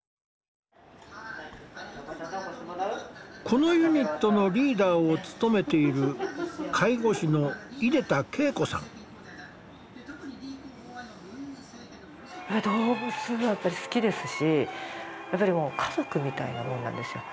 このユニットのリーダーを務めている動物が好きですしやっぱりもう家族みたいなもんなんですよ。